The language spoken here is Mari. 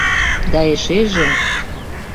Да эшеже...